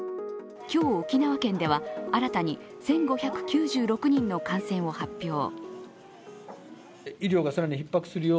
今日、沖縄県では新たに１５９６人の感染を発表。